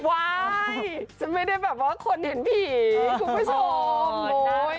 ฉันไม่ได้แบบว่าคนเห็นผีคุณผู้ชม